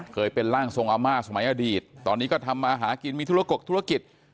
เคยเป็นร่างทรงอาม่าสมัยอดีตตอนนี้ก็ทำมาหากินมีธุรกกธุรกิจ